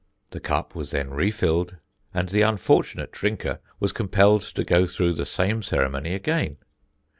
"The cup was then refilled and the unfortunate drinker was compelled to go through the same ceremony again.